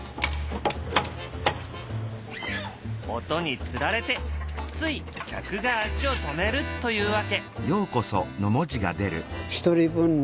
音につられてつい客が足を止めるというわけ。